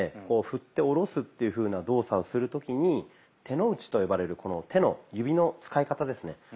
こう振って下ろすっていうふうな動作をする時に「手の内」と呼ばれるこの手の指の使い方ですね。